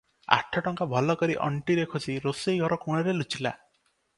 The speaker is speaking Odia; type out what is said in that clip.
ଆଠ ଟଙ୍କା ଭଲ କରି ଅଣ୍ଟିରେ ଖୋଷି ରୋଷେଇ ଘର କୋଣରେ ଲୁଚିଲା ।